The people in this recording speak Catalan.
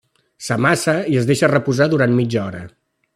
S'amassa i es deixa reposar durant mitja hora.